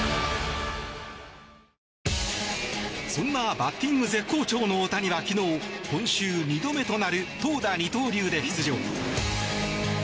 そんなバッティング絶好調の大谷は昨日今週２度目となる投打二刀流で出場。